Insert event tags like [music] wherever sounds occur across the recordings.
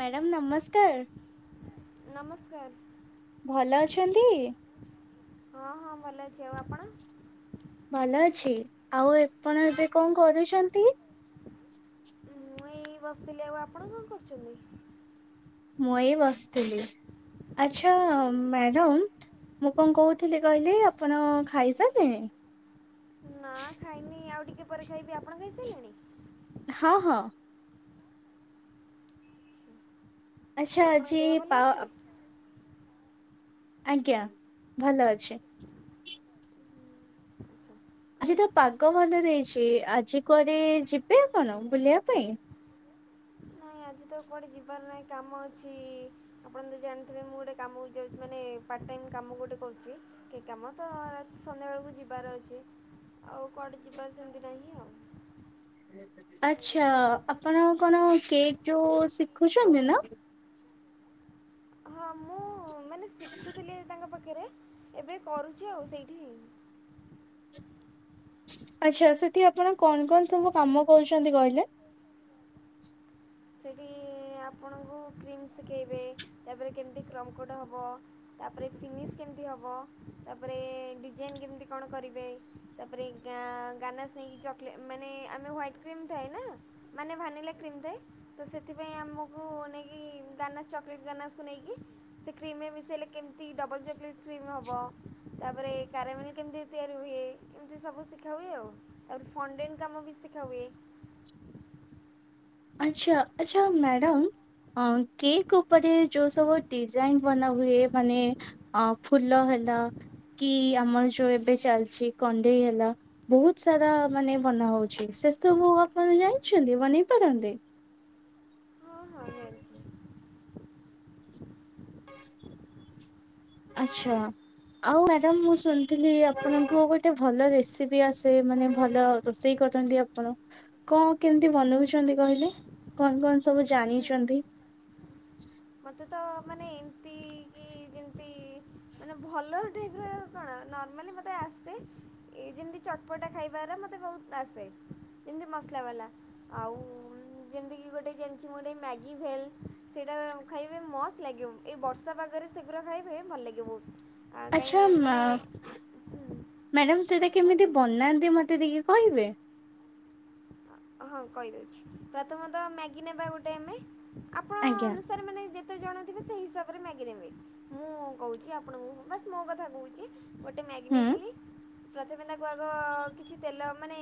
Madam ନମସ୍କାର। ନମସ୍କାର। ଭଲ ଅଛନ୍ତି? ହଁ ହଁ ଭଲ ଅଛି ଆଉ ଆପଣ? ଭଲ ଅଛି, ଆଉ ଆପଣ ଏବେ କଣ କରୁଛନ୍ତି? ମୁଁ ଏଇ ବସିଥିଲି ଆଉ ଆପଣ କଣ କରୁଛନ୍ତି? ମୁଁ ଏଇ ବସିଥିଲି ଆଚ୍ଛା ମ୍ୟାଡ଼ାମ୍। ମୁଁ କଣ କହୁଥିଲି କହିଲେ ଆପଣ ଖାଇସାରିଲେଣି? ନା ଖାଇନି ଆଉ ଟିକେ ପରେ ଖାଇବି ଆପଣ ଖାଇସାରିଲେଣି? ହଁ ହଁ। ଆଉ ଆଚ୍ଛା ଆପଣଙ୍କ ଆଜି ଦେହ ଭଲ ପା ଅଛି ଆଜ୍ଞା ଭଲ ଅଛି। ଆଚ୍ଛା ଆଜି ତ କୁହନ୍ତୁ ପାଗ ଭଲ ଦେଇଛି, ଆଜି କୁଆଡେ ଯିବେ ଆପଣ ବୁଲିବା ପାଇଁ? ନାଇଁ ଆଜି ତ କୁଆଡେ ଯିବାର ନାହିଁ କାମ ଅଛି ଆପଣ ତ ଜାଣିଥିବେ ମୁଁ ଗୋଟେ କାମକୁ ଯାଉଛି ମାନେ ପାର୍ଟାଇମ୍ କାମ ଗୋଟେ କରୁଛି। ଟିକେ କାମ ତ ରାତି ସନ୍ଧ୍ୟାବେଳକୁ ଯିବାର ଅଛି ଆଉ କୁଆଡେ ଯିବା ସେମିତି ନାହିଁ ଆଉ। [inaudible] ଆଛା ଆପଣ କଣ କେକ୍ ଯୋଉ ଶିଖୁଛନ୍ତି ନା? ହଁ ମୁଁ ମାନେ ଶିଖୁଥିଲି ତାଙ୍କ ପାଖରେ ଏବେ କରୁଛି ଆଉ ସେଇଠି। ଆଚ୍ଛା ସେଠି ଆପଣ କଣ କଣ ସବୁ କାମ କରୁଛନ୍ତି କହିଲେ। ସେଇଠି ଆପଣଙ୍କୁ କ୍ରିମ୍ ଶିଖେଇବେ କେମିତି କ୍ରଙ୍କଡ଼ ହେବ। ତାପରେ ଫିନିଶ୍ କେମିତି ହବ ତାପରେ ଡିଜାଇନ୍ କେମିତି କଣ କରିବେ? ତାପରେ ଗା ଗାନାସି ଚକଲେଟ୍ ମାନେ ଆମେ ହୱାଇଟ୍ କ୍ରିମ୍ କି ଥାଏ ନା। ମାନେ ଭାନିଲା କ୍ରିମ୍ ଦେ ତ ସେଥିପାଇଁ ଆମକୁ ନେଇକି ଗାନାସ୍ ଚକ୍ ଲେଟ୍ ଗାନାସ୍ କୁ ନେଇକି ସେ କ୍ରିମ୍ ରେ ମିଶେଇଲେ କେମିତି୍ ଡବଲ୍ ଚକଲେଟ୍ କ୍ରିମ୍ ହବ ତାପରେ କାରାମିଲି୍ କେମିତି ତିଆରି ହୁଏ ଏମିତି ସବୁ ଶିଖା ହୁଏ ଆଉ। ତାପରେ ଫଣ୍ଡିଙ୍ଗ୍ କାମ ବି ଶିଖା ହୁଏ ଆଚ୍ଛା ଆଚ୍ଛା ମ୍ୟାଡାମ୍ କେକ୍ ଉପରେ ଯୋଉ ସବୁ ଡିଜାଇନ୍ ବନାହୁଏ ମାନେ ଅ ଫୁଲ ହେଲା କି ଆମର ଯୋଉ ଏବେ ଚାଲିଚି କଣ୍ଢେଇ ହେଲା ବହୁତ ସାରା ମାନେ ବନା ହଉଚି ସେ ସବୁ ଆପଣ ଜାଣିଚନ୍ତି ବନେଇ ପାରନ୍ତେ? ହଁ ହଁ ନିଅନ୍ତି। ଆଚ୍ଛା। ଆଉ ମ୍ୟାଡ଼ାମ୍ ମୁଁ ଶୁଣିଥିଲି ଆପଣଙ୍କୁ ଗୋଟେ ଭଲ ରେସିପି ଆସେ ମାନେ ଭଲ ରୋଷେଇ କରନ୍ତି ଆପଣ? କଁ କେମିତି ବନଉଚନ୍ତି କହିଲେ କଣ କଣ ସବୁ ଜାଣିଚନ୍ତି? ମୋତେ ତ ମାନେ ଏମିତି କି ଯେମିତି ମାନେ ଭଲ ଠିକ୍ ରହିବ କଣ ନର୍ମାଲି ମତେ ଆସେ ଏ ଯେମିତି ଚଟ୍ ପଟା ଖାଇବାରା ମତେ ବହୁତ ଆସେ ଯେମିତି ମସଲା୍ ବାଲା ଆଉ ଯେମିତିକି ଗୋଟେ ଜ ମୋଟେ ମ୍ୟାଗି ଭେଲ ସେଇଟା ଖାଇବେ ମସ୍ତ ଲାଗିବ ଏଇ ବର୍ଷା ପାଗରେ ସେଗୁରା ଖାଇବେ ଭଲ୍ ଲାଗେ ବହୁତ୍। ଆଚ୍ଛା ମା ମ୍ୟାଡ଼ମ୍ ସେଇଟା କେମିତି କୁହନ୍ତୁ ବନାନ୍ତି ମୋତେ ଟିକଏ କହିବେ। ହଁ କହିଦଉଚି ପ୍ରଥମତଃ ମ୍ୟାଗି ନବା ଗୋଟେ ଆମେ ଆଜ୍ଞା। ଘରେ ମାନେ ଯେତେ ଜଣଥିବେ ସେଇ ହିସାବରେ ମ୍ୟାଗି ନେବେ ମୁଁ କହୁଚି ଆପଣଙ୍କୁ ବାସ୍ ମୋ କଥା କହୁଚି ଗୋଟେ ମ୍ୟାଗି ହୁଁ ନେଇଥିଲି ପ୍ରଥମେ ତାକୁ ଆଗ କିଛି ତେଲ ମାନେ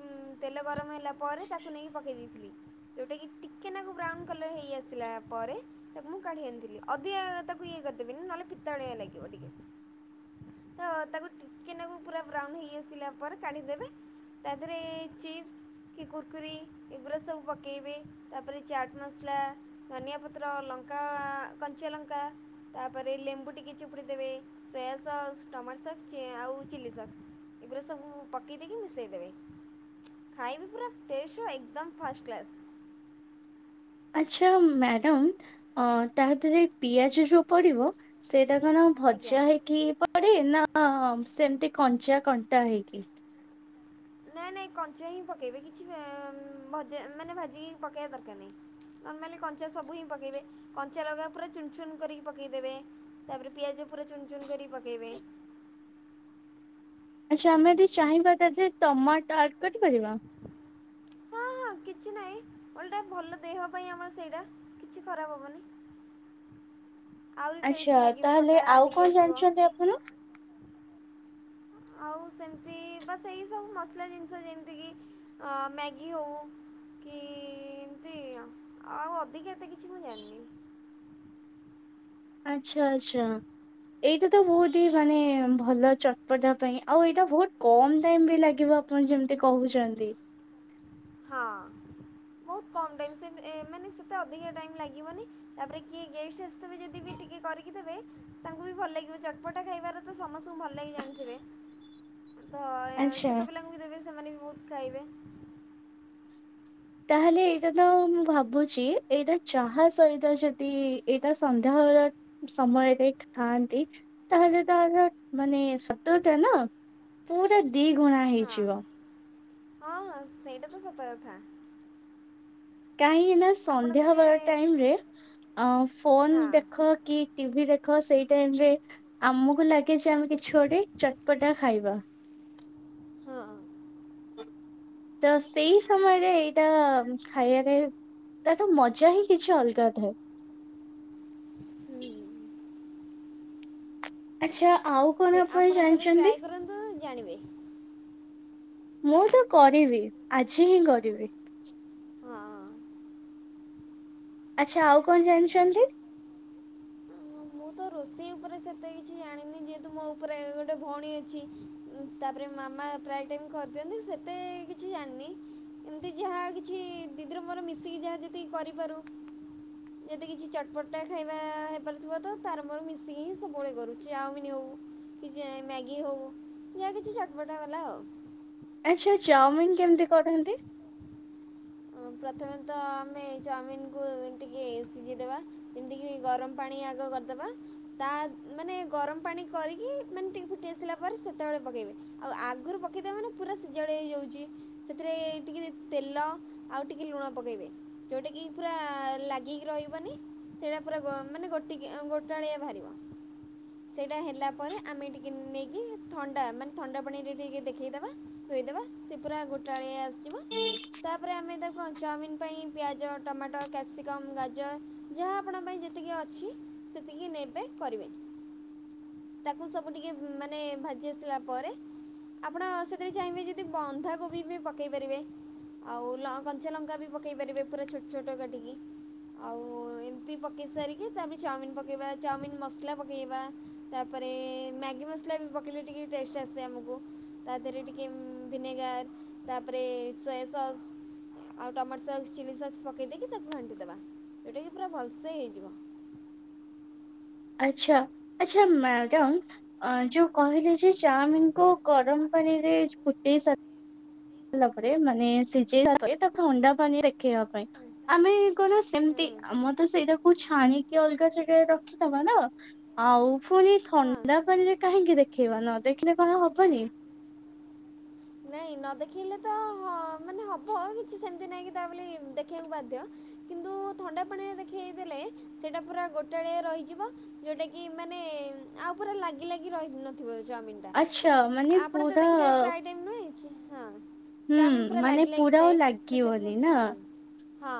ଉଁ ତେଲ ଗରମ ହେଲା ପରେ ତାକୁ ନେଇକି ପକେଇ ଦେଇଥିଲି ଯୋଉଟା କିି ଟିକେ ନାକୁ ବ୍ରାଉନ୍ କଲର୍ ହେଇ ଆସିଲା ପରେ ତାକୁ ମୁଁ କାଢି ଆଣିଥିଲି ଅଧିକା ତାକୁ ଇଏ କରିଦେବିନି ନହେଲେ ପିତାଳିଆ ଲାଗିବ ଟିକେ। ତ ତାକୁ ଟିକେନାକୁ ପୁରା ବ୍ରାଉନ୍ ହେଇ ଆସିଲା ପରେ କାଢିଦେବେ ତାପରେ ଚିପ୍ସ କି କୁର୍କୁରି୍ ଏଗୁରା ସବୁ ପକେଇବେ ତାପରେ ଚାଟ୍ ମସଲା୍ ଧନିଆ ପତ୍ର ଲଙ୍କା କଞ୍ଚା ଲଙ୍କା ତାପରେ ଲେମ୍ବୁ ଟିକେ ଚିପୁଡ଼ି ଦେବେ ସୋୟା ସସ୍ ଟମାଟୋ ସସ୍ ଟିଏ ଆଉ ଚିଲ୍ଲି ସସ୍। ପୁରା ସବୁ ପକେଇ ଦେଇକି ମିଶେଇଦବେ ଖାଇବେ ପୁରା ଟେଷ୍ଟର ଏକଦମ୍ ଫାଷ୍ଟ କ୍ଲାସ୍। ଆଚ୍ଛା ମ୍ୟାଡ଼ମ୍ ଅ ତା ଦେହରେ ପିଆଜ ଯୋଉ ପଡ଼ିବ ସେଇଟା କଣ ଆଜ୍ଞା ଭଜା ହେଇକି ପଡେ ନା ସେମିତି କଞ୍ଚା କଣ୍ଟା ହେଇକି? ନାଇଁ ନାଇଁ କଞ୍ଚା ହିଁ ପକେଇବେ କିଛି ଭଜା ମାନେ ଭାଜି ପକେୟା ଦରକାର ନାହିଁ। ନର୍ମାଲି କଞ୍ଚା ସବୁ ହିଁ ପକାଇବେ କଞ୍ଚା ଲଙ୍କା ପୁରା ଚୁନ୍ ଚୁନ୍ କରିକି ପକେଇଦେବେ ତାପରେ ପିଆଜ ପୁରା ଚୁନ୍ ଚୁନ୍ କରି ପକେଇବେ। ଆଚ୍ଛା ଆମେ ଯଦି ଚାହିଁବା ତା ଦେହରେ ଟମାଟ ଆଡ୍ କରିପାରିବା? ହଁ ହଁ କିଛି ନାହିଁ ଓଲଟା ଭଲ ଦେହ ପାଇଁ ଆମର ସେଇଟା କିଛି ଖରାପ ହବନି। ଟେଷ୍ଟ ଆଛା ଲାଗିବ ତାହେଲେ ଖଟା ଆଉ ଟିକେ କଣ ଆସିବ ଜାଣିଚନ୍ତି ଆପ୍ ଆଉ ସେମିତି ବା ସେଇ ସବୁ ମସଲା ଜିନିଷ ଯେମିତିକି ମ୍ୟାଗି ହଉ କି ଏମତି ଆ ଆଉ ଅଧିକା ଏତେ କିଛି ମୁଁ ଜାଣିନି। ଆଚ୍ଛା ଆଚ୍ଛା। ଏଇଟା ତ ବହୁତ ହି ହଁ ମାନେ ଭଲ ଚଟପଟା ପାଇଁ ଆଉ ଏଇଟା ବହୁତ କମ ଟାଇମ ବି ଲାଗିବ ଆପଣ ଯେମିତି କହୁଛନ୍ତି ହଁ ବହୁତ କମ୍ ଟାଇମ୍ ସେ ମାନେ ସେତେ ଅଧିକା ଟାଇମ୍ ଲାଗିବନି ତାପରେ କିଏ ଗେଷ୍ଟ ଆସିଥିବବେ ଯଦି ବି ଟିକେ କରିକି ଦେବେ। ତାଙ୍କୁ ବି ଭଲ ଲାଗିବ ଚଟପଟା ଖାଇବାରେ ତ ସମସ୍ତଙ୍କୁ ଭଲ ଲାଗି ଜାଣିଥିବେ। [inaudible] ତ ଆଚ୍ଛା ଛୋଟ ପିଲାଙ୍କୁ ବି ଦେବେ ସେମାନେ ବି ବହୁତ ଖାଇବେ। ତାହେଲେ ଏଇଟା ତ ମୁଁ ଭାବୁଛି ଏଇଟା ଚାହା ସହିତ ଯଦି ଏଇଟା ସନ୍ଧ୍ୟାବେଳ ସମୟରେ ଥାଆନ୍ତି ତାହେଲେ ତାର ମାନେ ସ୍ଵଦଟା ନା ପୁରା ଦି ଗୁଣା ହଁ। ହେଇଯିବ। ହଁ ହଁ ସେଇଟା ତ ସତ କଥା। କାହିଁକି ନା ଆପଣ ସନ୍ଧ୍ୟା ଦିନେ ବେଳ ଟାଇମ ରେ ଅ ଫୋନ ହଁ ଦେଖ କି ଟିଭି ଦେଖ ସେଇ ଟାଇମ ରେ ଆମକୁ ଲାଗେ ଯେ ଆମେ କିଛି ଗୋଟେ ଚଟପଟା ଖାଇବା ହଁ। ତ ସେଇ ସମୟରେ ଏଇଟା ଖାଇବାରେ ତାଠୁ ମଜା ହିଁ କିଛି ଅଲଗା ଥାଏ। ହୁଁ ଆଚ୍ଛା ଆଉ ସେ କଣ ଆପଣ ଥରେ ଜାଣିଛନ୍ତି? ଟ୍ରାଏ କରନ୍ତୁ ଜାଣିବେ। ମୁଁ ତ କରିବି ଆଜି ହିଁ କରିବି। ହଁ। ଆଚ୍ଛା ଆଉ କଣ ଜାଣିଛନ୍ତି। ହ ମୁଁ ତ ରୋଷେଇ ଉପର।। ସେତେ କିଛି ଜାଣିନି ଯେହେତୁ ମୋ ଉପରେ ଗୋଟେ ଭଉଣୀ ଅଛି।। ତାପରେ ମାମା ପ୍ରାୟ ଟାଇମ୍ କରିଦିଅନ୍ତି ସେତେ କିଛି ଜାଣିନି,। ଏମିତି ଯାହା କିଛି ଦିଦିର ମୋର ମିଶିକି ଯାହା ଯେତିକି କରିପାରୁ। ଯଦି କିଛି ଚଟପଟା ଖାଇବା ହେଇପାରୁଥିବ ତ ତାର ମର ମିଶିକି ସବୁବେଳେ କରୁଛି ଚାଉମିିନ ହେଉ କିଛି ମ୍ୟାଗି ହଉ ଯାହା କିଛି ଚଟପଟା ବାଲା। ଆ ଉ। ଆଚ୍ଛା ଚାଉମିିନ କେମିତି କରନ୍ତି? ପ୍ରଥମେ ତ ଆମେ ଚାଉମିିନକୁ ଟିକେ ସିଝିଦେବା ଯେମିତିକି ଗରମ ପାଣି ଆଗ ଦେବା ତା ମାନେ ଗରମ ପାଣି କରିକି ମାନେ ଟିକେ ଫୁଟି ଆସିଲା ପରେ ସେତେବେଳେ ପକେଇବେ। ଆଉ ଆଗରୁ ପକାଇଦେ ମାନେ ପୁରା ସିଜଳି ଭଳିଆ ହେଇଯାଉଛି ସେଥିରେ ଟି କେ ତେଲ ଆଉ ଟିକେ ଲୁଣ ପକାଇବେ ଯେଉଁଟା କିି ପୁରା ଲାଗିକି ରହିବନି। ସେଇଟା ପୁରା ଗ ମାନେ ଗୋଟ ଗୋଟାଳିଆ ବାହାରିବ। ସେଇଟା ହେଲା ପରେ ଆମେ ଟିକେ ନେଇକି ଥଣ୍ଡା ମାନେ ଥଣ୍ଡା ପାଣିରେ ଟିକେ ଦେଖେଇଦବା। ଧୋଇଦେବା ସେ ପୁରା ଗୋଟାଳିଆ ଆସିଯିବ। [inaudible] ତାପରେ ଆମେ ତାକୁ କ ଚାଉମିନ ପାଇଁ ପିଆଜ ଟମାଟୋ କ୍ୟାପ୍ସିକମ ଗାଜର ଯାହା ଆପଣଙ୍କ ପାଇଁ ଯେତିକି ଅଛି। ସେତିକି ନବେ କରିବେ। ତାକୁ ସବୁ ଟିକେ ମାନେ ଭାଜି ଆସିଲା ପରେ। ଆପଣ ସେଥିରେ ଚାହିଁବେ ଯଦି ବନ୍ଧାକୋବି ବି ପକେଇ ପାରିବେ। ଆଉ ଲ କଞ୍ଚା ଲଙ୍କା ବି ପକାଇ ପାରିବେ ପୁରା ଛୋଟ ଛୋଟ କାଟିକି। ଆଉ ଏମିତି ପକେଇ ସାରିକି ତାପରେ ଚାଉମିିନ ପକେଇବା ଚାଉମିିନ ମସଲା ପକେଇବା। ତାପରେ ମ୍ୟାଗି ମସଲା ବି ପକେଇଲେ ଟିକେ ଟେଷ୍ଟ ଆସେ ଆମକୁ। ତା ଦେହରେ ଟିକେ ଭିନେଗାର ତାପରେ ସୋୟା ସସ୍ ଆଉ ଟମାଟୋ ସକ୍ସ ଚିଲ୍ ସକ୍ସ ପକାଇ ଦେଇକି ତାକୁ ଘାଣ୍ଟିଦବା ଯେଉଁଟାକି ପୁରା ଭଲସେ ହେଇଯିବ। ଆଚ୍ଛା ଆଚ୍ଛା ମ୍ୟାଡାାମ। ଅ ଯୋଉ କହିଲେ ଯେ ଚାଉମିନ୍ କୁ ଗରମ୍ ପାଣିରେ ଫୁଟେଇ ସା ହେଲା ପରେ ମାନେ ସିଝେଇଲା ପରେ ତା ଥଣ୍ଡା ପାନି ଦେଖେଇବା ପାଇଁ। ଆମେ କଣ ସେମତି ଆମର ତ ସେଇଟାକୁ ଛାଣିକି ଅଲଗା ଜାଗାରେ ରଖିଦବା ନା। ଆଉ ପୁଣି ଥଣ୍ଡା ପାଣିରେ କାହିଁକି ଦେଖେଇବା ନ ଦେଖିଲେ କଣ ହବନି? ନାଇଁ ନ ଦେଖେଇଲେ ତ ମାନେ ହ ହବ କିଛି ସେମିତି ନହିଁ କି ତା ବୋଲି ଦେଖେଇବାକୁ ବାଧ୍ୟ। କିନ୍ତୁ ଥଣ୍ଡା ପାଣିରେ ଦେଖେଇ ଦେଲେ ସେଟା ପୁରା ଗୋଟାଳିଆ ରହିଯିବ। ଯୋଉଟା କି ମାନେ ଆଉ ପୁରା ଲାଗି ଲାଗି ରହି ନଥିବ ଚାଉମିନି। ଆଚ୍ଛା ମାନେ ପୁରା ନୁହେଁ ହଁ ହୁଁ ଚାଓମିନ୍ ପୁରା ମାନେ ଲାଗି ଲାଗି ପୁରା ଆଉ ଥାଏ ତ ସେଥିରେ ଲାଗିବନି ନା। ହୁଁ। ହଁ।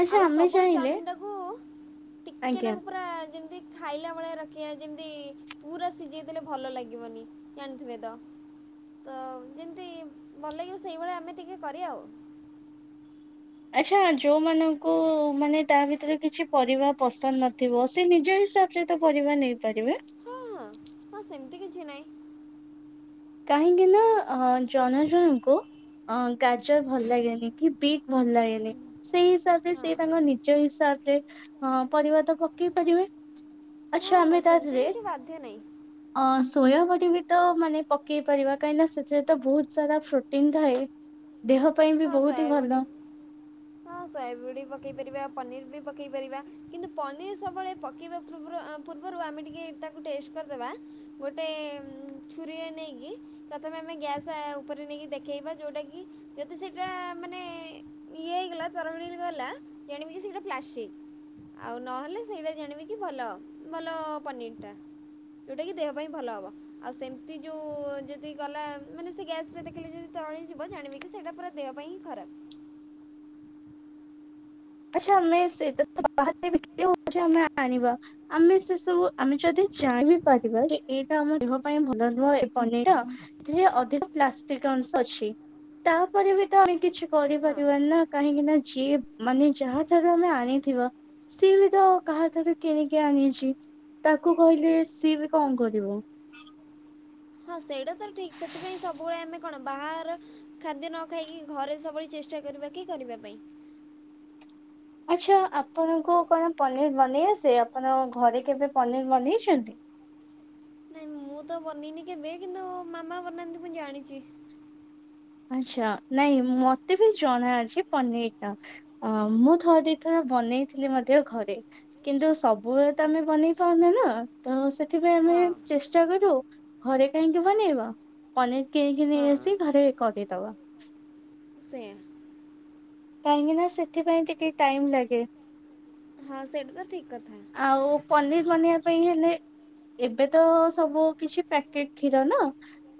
ଆଚ୍ଛା ଆଉ ଆମେ ସବୁଳେ ଚାହିଁଲେ ଚାଉମିିନିଟାକୁ ଆଜ୍ଞା ଟିକେନାକୁ ପୁରା ଯେମିତି ଖାଇଲା ଭୋଳିଆ ରଖିବା ଯେମିତି ପୁରା ସିଝେଇଥିଲେ ଭଲ ଲାଗିବନି ଜାଣିଥିବେ ତ। ତ ଯେମିତି ଭଲ ଲାଗିବ ସେଇଭଳିଆ ଆମେ ଟିକିେ କରିବା ଆଉ। ଆଛା ଯୋଉମାନଙ୍କୁ ମାନେ ତା ଭିତରେ କିଛି ପରିବା ପସନ୍ଦ୍ ନଥିବ ସେ ନିଜ ହିସାବ୍ ସେତ ପରିବା ନେଇପାରିବେ। ହଁ ହଁ ହଁ ସେମିତି କିଛି ନହିଁ। କାହିଁକି ନା ଅଁ ଜଣ ଜଣଙ୍କୁ ଅଁ ଗାଜର୍ ଭଲ୍ ଲାଗେନି କି ବିିଟ୍ ଭଲ୍ ଲାଗେନି। ସେଇ ହିସାବ ରେ ସେ ହଁ ତାଙ୍କ ନିଜ ହିସାବ ରେ ଅ ପରିବା ତ ପକେଇ ପାରିବେ। ହଁ ଆଛା ଆମେ ହଁ ତା ସେମିତି ଦେହେରେ, କିଛି ବାଧ୍ୟ ନାହିଁ ଅଁ ସୋୟାବଡି ବି ତ ମାନେ ପକେଇ ପାରିବା କାହିଁକି ନା ସେଥିରେ ତ ବୋହୁତ୍ ସାରା ପ୍ରୋଟିନ୍ ଥାଏ। ଦେହ ପାଇଁ ବି ହଁ ବହୁତ ହି ସାୟାବଡ଼ି ଭଲ ହଁ ସୋୟାବୁଡ଼ି ପକାଇ ପାରିବା ପନିର୍ ବି ପକାଇ ପାରିବା କିନ୍ତୁ ପନିର୍ ସବୁବେଳେ ପକେଇବା ପୂର୍ବରୁ ଆ ପୂର୍ବରୁ ଆମେ ଟିକେ ତାକୁ ଟେଷ୍ଟ୍ କରିଦେବ ଗୋଟେ ଛୁରୀରେ ନେଇକି ପ୍ରଥମେ ଆମେ ଗ୍ୟାସ୍ ଉପରେ ନେଇକି ଦେଖେଇବା ଯେଉଟାକି ଦି ସେଇଟା ମାନେ ଇଏ ହେଇଗଲା ତରଳି ଗଲା ଜାଣିବୁ କି ସେଟା ପ୍ଲାଷ୍ଟିକ। ଆଉ ନହେଲେ ସେଇଟା ଜାଣିବି କି ଭଲ ଭଲ ପନିର୍ ଟା। ଯୋଉଟାକି ଦେହ ପାଇଁ ଭଲ ହେବ ଆଉ ସେମିତ୍ ଯୋଉ ଯଦି ଗଲା ମାନେ ସେ ଗ୍ୟାସ୍ ରେ ଦେଖିଲେ ଯଦି ତରଳି ଯିବ ଜାଣିବି କି ସେଇଟା ପୁରା ଦେହ ପାଇଁ ଖରାପ୍। ଆଛା ଆମେ ସେଇଟା ତ ବାହାରେ ବିକ୍ରି ହୋଉଛି ଆମେ ଆଣିବା ଆମେ ସେ ସବୁ ଆମେ ଯଦି ଜଣି ବିି ପାରିବା ଯେ ଏଇଟା ଆମ ଦେହ ପାଇଁ ଭଲ ନୁହଁ ଏ ପନିର୍ ଟା ଏଥିରେ ଅଧିକ ପ୍ଲାଷ୍ଟିକ୍ ଜିନିଷ ଅଛି। ତାପରେ ବି ତ ଆମେ କିଛି କରିପାରିବି ନା କାହିଁକି ନା ଯିଏ ମାନେ ଯାହାଠାରୁ ଆମେ ଆଣିଥଥିବା ସିଏ ବି ତ କାହାଠାରୁ କିଣିକି ଆଣିଛି ତାକୁ କହିଲେ ସିଏ ବି କଁ କରିବ। ହଁ ସେଇଟା ତ ଠିକ୍ ସେଥିପାଇଁ ସବୁବେଳେ ଆମେ କଣ ବାହାର ଖାଦ୍ୟ ନ ଖାଇକି ଘରେ ସବୁଳେ ଚେଷ୍ଟା କରିବା କି କରିବା ପାଇଁ। ଆଚ୍ଛା ଆପଣଙ୍କୁ କଣ ପନିର୍ ବନେଇ ଆସେ ଆପଣ ଘରେ କେବେ ପନିର୍ ବନେଇଛନ୍ତି? ନାଇଁ ମୁଁ ତ ବନେଇନି କେବେ କିନ୍ତୁ ମାମା ବନାନ୍ତି ମୁୁଁ ଜାଣିଚି। ଆଛା ନାଇଁ ମତେ ବି ଜଣା ଅଛି ପନିର୍ ଟା। ଅ ମୁଁ ଥରେ ଦି ଥର ବନେଇଥିଲି ମଧ୍ୟ ଘରେ। କିନ୍ତୁ ସବୁବେଳେ ତ ଆଚ୍ଛା ଆମେ ବନେଇ ପାଉନା ନା ତ ସେଥିପାଇଁ ଆମେ ହଁ ଚେଷ୍ଟା କରୁ ଘରେ କାହିଁକି ବନେଇବା ପନିର୍ କିଣକି ନେଇ ହଁ ଆସି ଘରେ କରିଦବା। ସେ। କାହିଁକି ନା ସେଥିପାଇଁ ଟିକେ ଟାଇମ୍ ଲାଗେ। ହଁ ସେଇଟା ତ ଠିକ୍ କଥା। ଆଉ ପନିର ବନେଇବା ପାଇଁ ହେଲେ ଏବେ ତ ସବୁ କିଛି ପ୍ୟାକେଟ କ୍ଷୀର ନା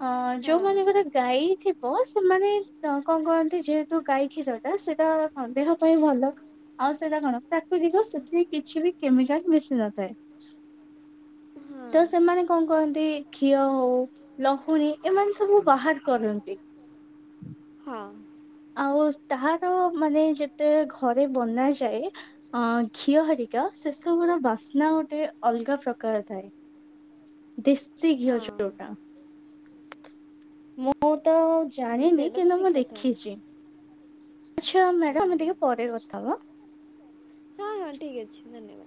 ଅ ଯୋଉମାନଙ୍କର ଗାଈ ଥିବ ସେମାନେ କଣ କରନ୍ତି ଯେହେତୁ ଗାଈ କ୍ଷୀର ସେଇଟା କଣ ଦେହ ପାଇଁ ଭଲ। ଆଉ ସେଇଟା କଣ ପ୍ରାକୃତିକ ସେଥିରେ କିଛି ବି କେମିକାଲ ମିଶି ନ ଥାଏ। ତ ସେମାନେ କଣ କରନ୍ତି ଘିଅ ହଉ ଲହୁଣୀ ଏମାନେ ସବୁ ବାହାର କରନ୍ତି। ହଁ। ଆଉ ତହାର ମାନେ ଯେତେ ଘରେ ବନାଯାଏ ଅ ଘିଅ ହରିକା ସେସବୁର ବାସ୍ନା ଗୋଟେ ଅଲଗା ପ୍ରକାର ଥାଏ। ଦେଶୀ ଘିଅ ହଁ ଚୋରଟା ମୁଁ ତ ହୁଁ ଜାଣିନି ସେଇଟା ତ କିନ୍ତୁ ଠିକ୍ ମୁଁ କଥା। ଦେଖିଛି। ଆଚ୍ଛା ହୁଁ। ମ୍ୟାଡ଼ାାମ ଆମେ ଟିକେ ପରେ କଥା ହବା। ହଁ ହଁ ଠିକ୍ ଅଛି ଧନ୍ୟବାଦ।